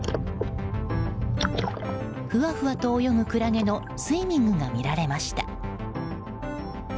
ふわふわと泳ぐクラゲのスイミングが見られました。